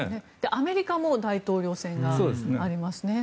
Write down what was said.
アメリカも大統領選がありますね。